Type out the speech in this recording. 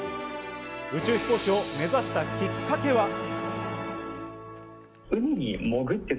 宇宙飛行士を目指したきっかけは。